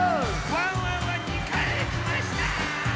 ワンワンは２かいへきました！